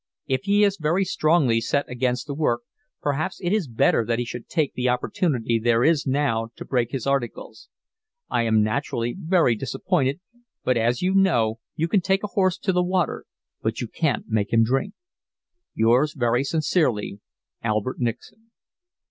If he is very strongly set against the work, perhaps it is better that he should take the opportunity there is now to break his articles. I am naturally very disappointed, but as you know you can take a horse to the water, but you can't make him drink. Yours very sincerely, Albert Nixon.